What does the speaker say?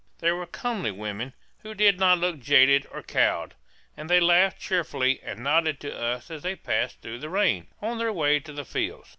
They were comely women, who did not look jaded or cowed; and they laughed cheerfully and nodded to us as they passed through the rain, on their way to the fields.